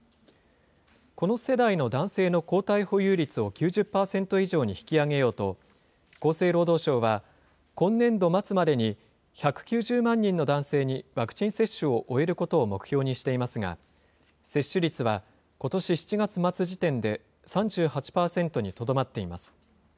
この世代の男性の抗体保有率を９０％以上に引き上げようと、厚生労働省は、今年度末までに１９０万人の男性にワクチン接種を終えることを目標にしていますが、接種率はことし７月末時点で３８％にとどまっています。